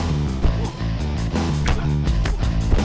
kamu gak apa apa